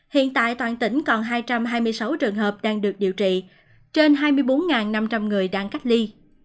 hiện tại toàn tỉnh còn hai trăm hai mươi sáu trường hợp đang được điều trị trên hai mươi bốn năm trăm linh người đang cách ly